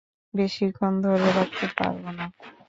বেশিক্ষণ ধরে রাখতে পারবো না।